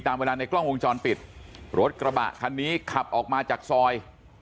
ตามเวลาในกล้องวงจรปิดรถกระบะคันนี้ขับออกมาจากซอย